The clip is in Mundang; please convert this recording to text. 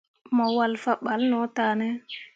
Mo walle fah balla no tah ne ?